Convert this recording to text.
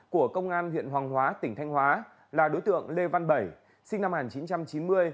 của công an huyện hoàng hóa tỉnh thanh hóa là đối tượng lê văn bảy sinh năm một nghìn chín trăm chín mươi